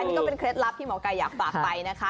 นี่ก็เป็นเคล็ดลับที่หมอไก่อยากฝากไปนะคะ